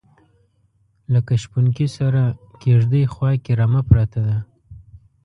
لکه شپونکي سره کیږدۍ خواکې رمه پرته ده